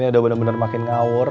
udah bener bener makin ngawur